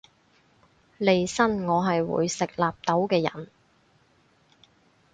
利申我係會食納豆嘅人